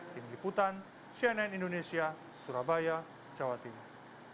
tim liputan cnn indonesia surabaya jawa timur